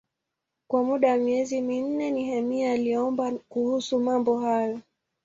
Kwa muda wa miezi minne Nehemia aliomba kuhusu mambo hayo.